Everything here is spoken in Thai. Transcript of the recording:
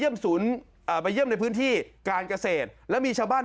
เอามาให้ลุงตูโยนเหรอ